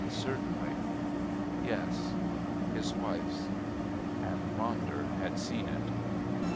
Certainly. Yes. His wife's. And Ronder had seen it.